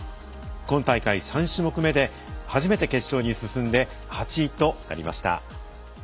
今大会３種目目で初めて決勝に進んで８位となりました。